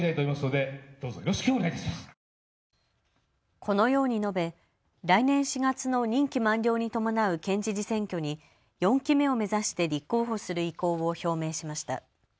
このように述べ来年４月の任期満了に伴う県知事選挙に４期目を目指して立候補する意向を表明しました。